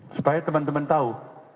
supaya teman teman tahu